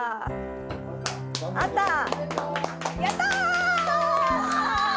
やったー！